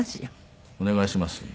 お願いします。